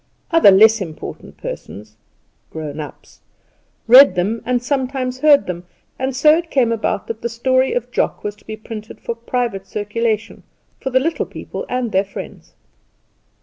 Other Less Important Persons grown ups read them and sometimes heard them, and so it came about that the story of Jock was to be printed for private circulation, for the Little People and their friends.